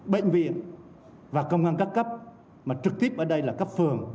bệnh viện và công an các cấp mà trực tiếp ở đây là cấp phường